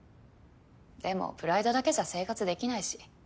でもプライドだけじゃ生活できないし。